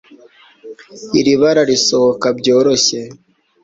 Iri bara risohoka byoroshye